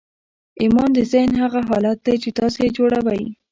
ایمان د ذهن هغه حالت دی چې تاسې یې جوړوئ